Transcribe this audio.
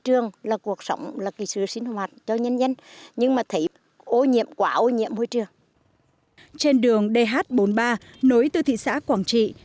trên đường dh bốn mươi ba nối từ thị xã quảng trị